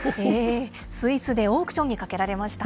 スイスでオークションにかけられました。